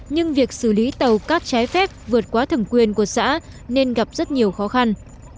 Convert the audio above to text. nhưng việc xử lý tàu cát trái phép vượt qua thẩm quyền của xã nên gặp rất nhiều khó khăn